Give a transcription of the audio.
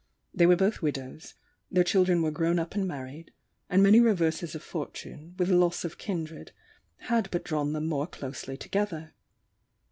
They were both widows; their children were grown up and married, and many reverses of fortune, with loss of kindred, had but drawn them more closely together.